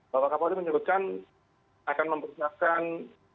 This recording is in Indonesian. bapak kapolri menyebutkan akan mempersiapkan personil namun akan secara bertahap